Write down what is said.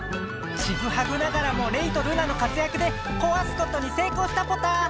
ちぐはぐながらもレイとルナの活やくでこわすことにせいこうしたポタ！